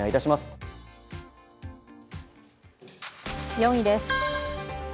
４位です。